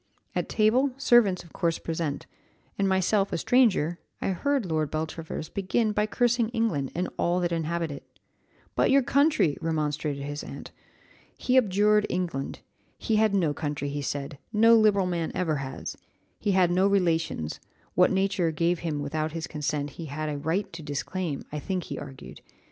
At table, servants of course present, and myself a stranger, I heard Lord Beltravers begin by cursing England and all that inhabit it. 'But your country!' remonstrated his aunt. He abjured England; he had no country, he said, no liberal man ever has; he had no relations what nature gave him without his consent he had a right to disclaim, I think he argued.